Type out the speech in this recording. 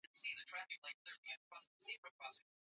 figo yako huondoa maji mengi sana kutoka kwenye mwili wako